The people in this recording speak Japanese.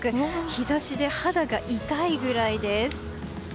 日差しで肌が痛いぐらいです。